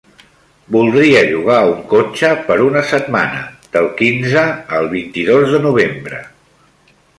Voldria llogar un cotxe per una setmana, del quinze al vint-i-dos de novembre.